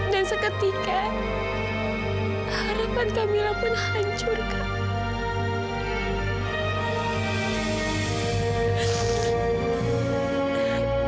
dan seketika harapan kamila pun hancurkan